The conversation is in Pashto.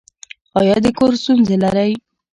ایا د کور ستونزې لرئ؟